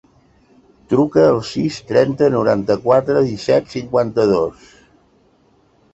Truca al sis, trenta, noranta-quatre, disset, cinquanta-dos.